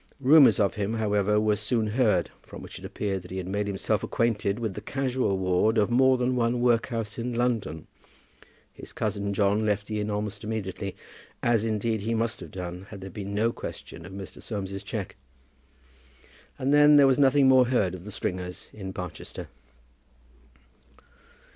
Rumours of him, however, were soon heard, from which it appeared that he had made himself acquainted with the casual ward of more than one workhouse in London. His cousin John left the inn almost immediately, as, indeed, he must have done had there been no question of Mr. Soames's cheque, and then there was nothing more heard of the Stringers in Barchester.